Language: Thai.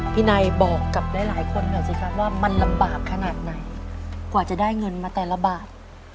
นายบอกกับหลายคนหน่อยสิครับว่ามันลำบากขนาดไหนกว่าจะได้เงินมาแต่ละบาท